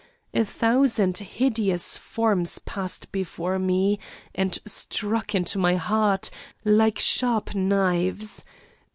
A thousand hideous forms passed before me, and struck into my heart, like sharp knives.